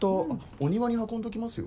お庭に運んどきますよ。